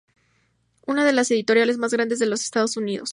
Una de las editoriales más grandes de los Estados Unidos.